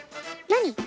何？